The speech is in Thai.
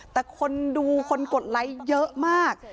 แต่คนดูคนกดไลค์เยอะมาก